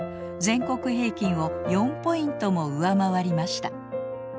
全国平均を４ポイントも上回りました。